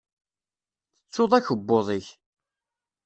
Tettuḍ akebbuḍ-ik.